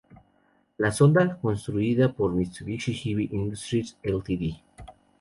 La sonda, construida por "Mitsubishi Heavy Industries Ltd.